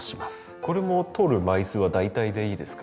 これも取る枚数は大体でいいですか？